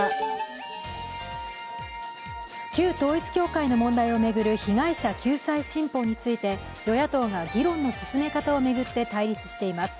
旧統一教会の問題を巡る被害者救済新法について与野党が議論の進め方を巡って対立しています。